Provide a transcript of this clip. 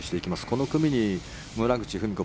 この組に村口史子